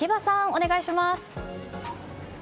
お願いします。